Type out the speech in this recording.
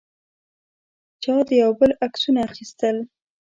چا د یو بل عکسونه اخیستل.